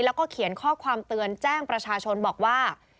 แล้วก็เขียนข้อความเตือนแจ้งประชาชนบอกว่า